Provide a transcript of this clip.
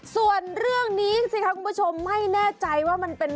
ส่วนเรื่องนี้สิคะคุณผู้ชมไม่แน่ใจว่ามันเป็น